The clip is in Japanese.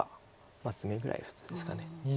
まあツメぐらいが普通ですか。